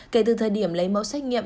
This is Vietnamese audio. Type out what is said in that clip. kể từ thời điểm lấy mẫu sách nghiệm